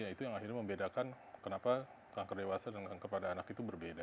itu yang akhirnya membedakan kenapa kanker dewasa dan kepada anak itu berbeda